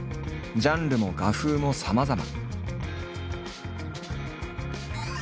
ジャンルも画風もさまざま。